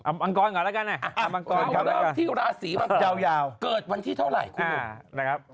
ชอกงงก่อนก่อนนะลาศรีมังกรเกิดวันที่เท่าไหร่